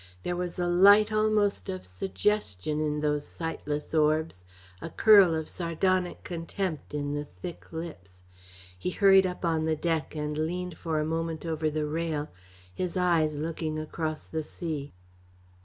There was a light almost of suggestion in those sightless orbs, a curl of sardonic contempt in the thick lips. He hurried up on to the deck and leaned for a moment over the rail, his eyes looking across the sea.